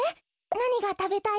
なにがたべたい？